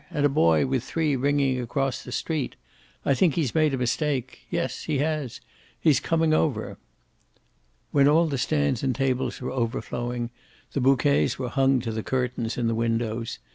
And a boy with three ringing across the street. I think he's made a mistake. Yes, he has. He's coming over!" When all the stands and tables were overflowing, the bouquets were hung to the curtains in the windows.